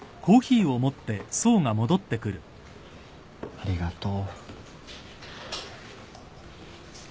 ありがとう。